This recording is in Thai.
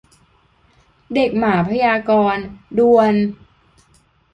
เด็กหมาพยากรณ์ ด่วน !